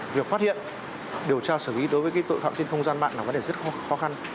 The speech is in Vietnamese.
việc phát hiện điều tra xử lý đối với tội phạm trên không gian mạng là vấn đề rất khó khăn